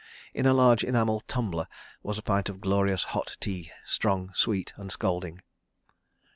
In a large enamel "tumbler" was a pint of glorious hot tea, strong, sweet and scalding.